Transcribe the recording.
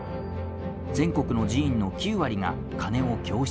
全国の寺院の９割が鐘を供出した。